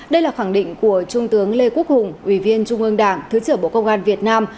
đây là khẳng định của trung tướng lê quốc hùng ủy viên trung ương đảng thứ trưởng bộ công an việt nam